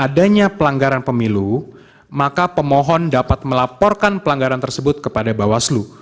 adanya pelanggaran pemilu maka pemohon dapat melaporkan pelanggaran tersebut kepada bawaslu